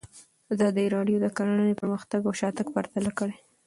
ازادي راډیو د کرهنه پرمختګ او شاتګ پرتله کړی.